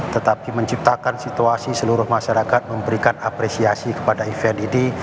tetapi menciptakan situasi seluruh masyarakat memberikan apresiasi kepada event ini